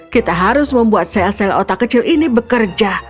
kita harus membuat sel sel otak kecil ini bekerja